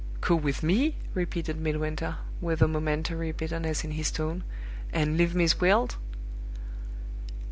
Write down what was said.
"Go with me!" repeated Midwinter, with a momentary bitterness in his tone, "and leave Miss Gwilt!"